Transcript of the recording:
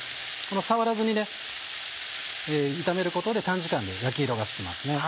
触らずに炒めることで短時間で焼き色がつきますね。